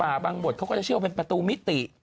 บางบทเขาก็จะเชื่อว่าเป็นประตูมิติ